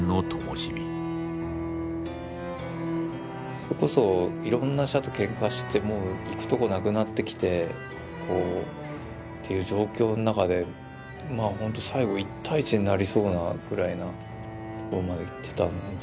それこそいろんな社とケンカしてもう行くとこなくなってきてっていう状況の中でほんと最後１対１になりそうなぐらいなところまでいってたんで。